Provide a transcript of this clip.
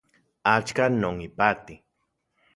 Axkan non ipati